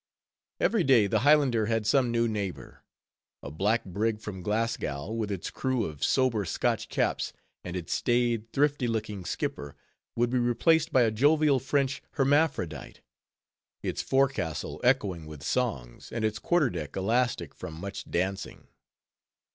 Every day the Highlander had some new neighbor. A black brig from Glasgow, with its crew of sober Scotch caps, and its staid, thrifty looking skipper, would be replaced by a jovial French hermaphrodite, its forecastle echoing with songs, and its quarter deck elastic from much dancing.